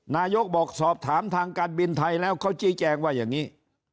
นายกบอกสอบถามทางการบินไทยแล้วเขาชี้แจงว่าอย่างนี้